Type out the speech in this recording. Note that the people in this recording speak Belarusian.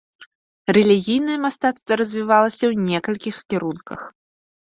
Рэлігійнае мастацтва развівалася ў некалькіх кірунках.